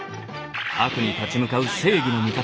悪に立ち向かう正義の味方。